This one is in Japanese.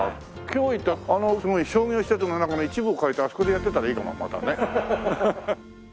今日行ったあのすごい商業施設の中の一部を借りてあそこでやってたらいいかも。